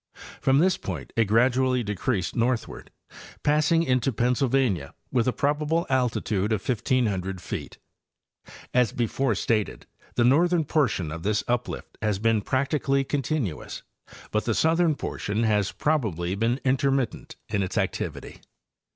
From this point it gradually decreased northward, passing into Pennsylvania with a probable altitude of 1,500 feet. As before stated, the northern portion of this uplift has been practically continuous, but the southern portion has probably been intermittent in its activity.